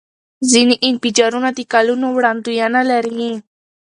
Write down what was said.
ځینې انفجارونه د کلونو وړاندوینه لري.